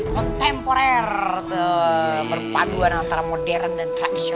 kontemporer berpaduan antara modern dan tradisional